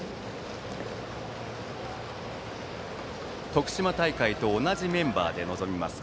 徳島大会と同じメンバーで臨みます